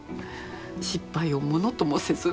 失敗をものともせず。